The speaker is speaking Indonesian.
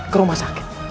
ke rumah sakit